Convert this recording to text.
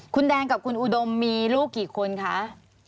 คุณแดงกับคุณอุดมมีลูกกี่คนคะ